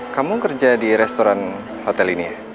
kamu kerja di restoran hotel ini